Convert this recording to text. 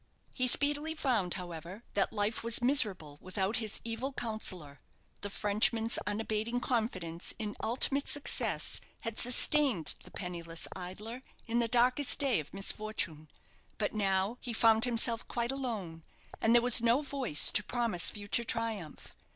He speedily found, however, that life was miserable without his evil counsellor. The Frenchman's unabating confidence in ultimate success had sustained the penniless idler in the darkest day of misfortune. But now he found himself quite alone; and there was no voice to promise future triumph.